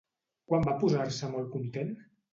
Quan va posar-se molt content?